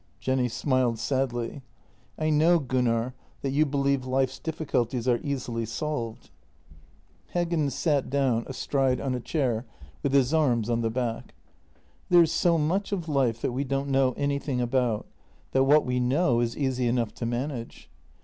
Jenny smiled sadly: " I know, Gunnar, that you believe life's difficulties are easily solved." 264 JENNY Heggen sat down astride on a chair with his arms on the back. " There is so much of life that we don't know anything about, that what we know is easy enough to manage.